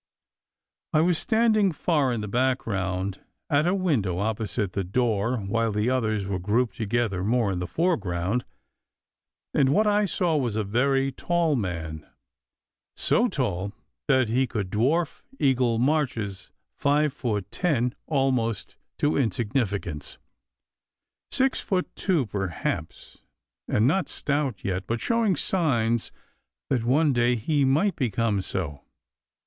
" I was standing far in the background, at a window opposite the door, while the others were grouped together more in the foreground; and what I saw was a very tall man (so tall that he could dwarf Eagle March s five foot ten 68 SECRET HISTORY almost to insignificance), six foot two, perhaps, and not stout yet, but showing signs that one day he might become so.